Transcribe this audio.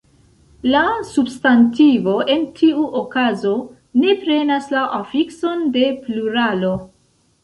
La substantivo en tiu okazo ne prenas la afikson de pluralo.